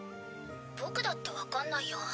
僕だって分かんないよ。